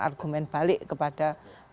argumen balik kepada